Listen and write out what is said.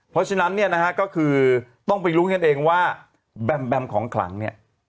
เพราะฉะนั้นเนี่ยนะฮะก็คือต้องไปลุ้นกันเองว่าแบมแบมของขลังเนี่ย